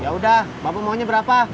yaudah bapak maunya berapa